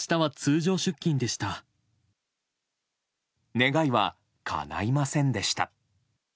願いはかないませんでした。